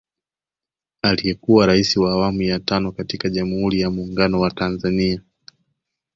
Aliyekuwa Rais wa awamu ya tano katika Jamuhuri ya Munguno wa Tanzania